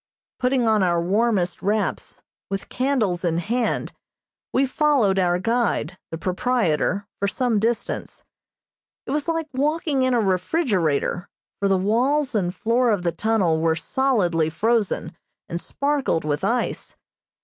Putting on our warmest wraps, with candles in hand, we followed our guide, the proprietor, for some distance. It was like walking in a refrigerator, for the walls and floor of the tunnel were solidly frozen and sparkled with ice.